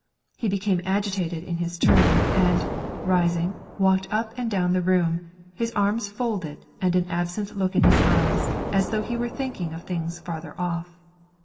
He became agitated in his turn, and, rising, walked up and down the room, his arms folded and an absent look in his eyes, as though he were thinking of things farther off.